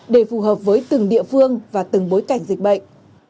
để phù hợp với từng địa phương và từng bối cảnh dịch bệnh